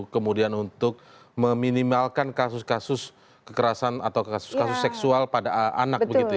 kemudian untuk meminimalkan kasus kasus kekerasan atau kasus kasus seksual pada anak